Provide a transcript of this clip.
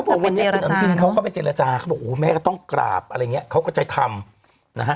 ไม่นี่เดี๋ยวนี้คุณรุธินข้าก็ไปเจรจาเขาก็บอกแม้ต้องกราบอะไรอย่างนี้ข้าก็จะทำ